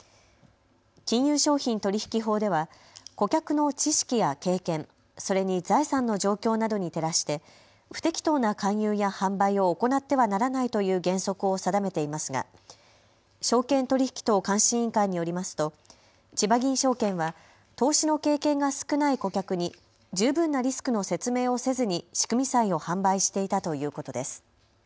金融商品取引法では顧客の知識や経験、それに財産の状況などに照らして不適当な勧誘や販売を行ってはならないという原則を定めていますが証券取引等監視委員会によりますとちばぎん証券は投資の経験が少ない顧客に十分なリスクの説明をせずに仕組み債を販売していたということです。